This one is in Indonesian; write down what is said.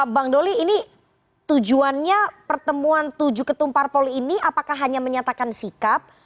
bang doli ini tujuannya pertemuan tujuh ketumpar pol ini apakah hanya menyatakan sikap